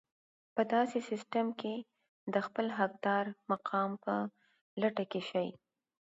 په داسې سيستم کې د خپل حقدار مقام په لټه کې شئ.